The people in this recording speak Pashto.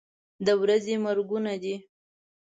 د ورځې مرګونه دي.